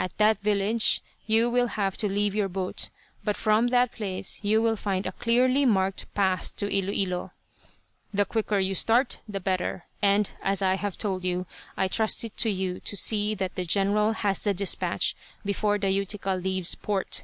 At that village you will have to leave your boat, but from that place you will find a clearly marked path to Ilo Ilo. "The quicker you start, the better; and, as I have told you, I trust it to you to see that the general has the dispatch before the Utica leaves port."